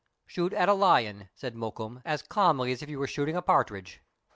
*' Shoot at a lion," said Mokoum, " as calmly as if you were shooting a partridge."